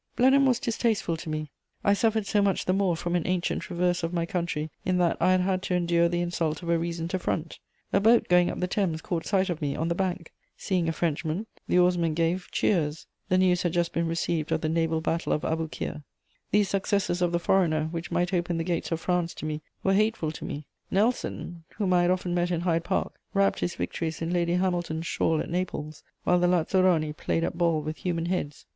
Blenheim was distasteful to me; I suffered so much the more from an ancient reverse of my country in that I had had to endure the insult of a recent affront: a boat going up the Thames caught sight of me on the bank; seeing a Frenchman, the oarsmen gave cheers; the news had just been received of the naval battle of Aboukir: these successes of the foreigner, which might open the gates of France to me, were hateful to me. Nelson, whom I had often met in Hyde Park, wrapped his victories in Lady Hamilton's shawl at Naples, while the lazzaroni played at ball with human heads.